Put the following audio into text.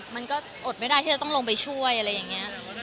มันก็อดไม่ได้ที่จะต้องลงไปช่วยอะไรอย่างนี้